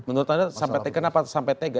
menurut anda kenapa sampai tega